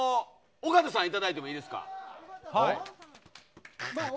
尾形さんいただいてもいいですか。